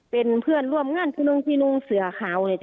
เป็นเพื่อนร่วมงานคุณลุกนังเศือขาว